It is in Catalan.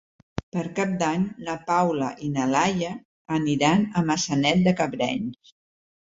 Per Cap d'Any na Paula i na Laia aniran a Maçanet de Cabrenys.